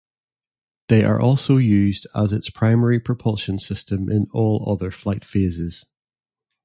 They are also used as its primary propulsion system in all other flight phases.